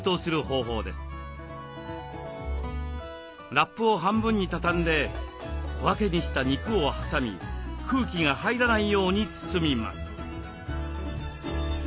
ラップを半分に畳んで小分けにした肉を挟み空気が入らないように包みます。